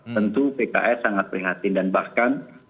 tentu pks sangat prihatin dan bahkan